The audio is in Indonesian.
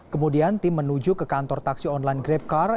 kemudian tim menuju ke kantor taksi online grabcar